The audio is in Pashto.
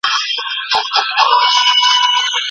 که پلار وي نو اولاد نه بې سرپرسته کیږي.